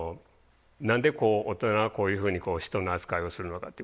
何でこう大人はこういうふうに人の扱いをするのかってことが。